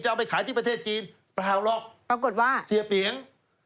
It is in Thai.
เอาไปขายที่ประเทศจีนเปล่าหรอกปรากฏว่าเสียเปียง